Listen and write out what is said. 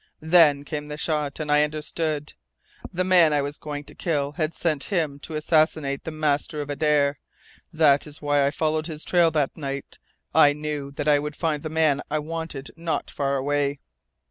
Then came the shot and I understood. The man I was going to kill had sent him to assassinate the master of Adare. That is why I followed his trail that night. I knew that I would find the man I wanted not far away."